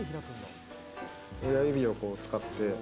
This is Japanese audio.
親指をこう使って。